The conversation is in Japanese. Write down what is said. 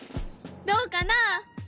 どうかな？